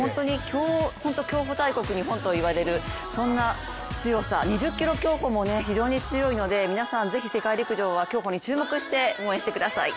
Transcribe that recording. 本当に競歩大国・日本と言われるそんな強さ、２０ｋｍ競歩も非常に強いので皆さん、世界陸上は競歩に注目して応援してください。